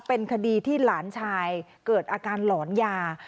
เป็นคดีที่หลานชายเกิดอาการหลอนยา